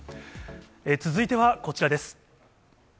続いてはこちらです。